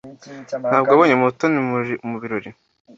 Ntabwo wabonye Mutoni mubirori?